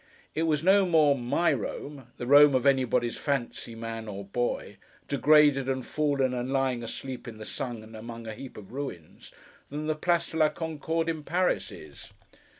It was no more my Rome: the Rome of anybody's fancy, man or boy; degraded and fallen and lying asleep in the sun among a heap of ruins: than the Place de la Concorde in Paris is.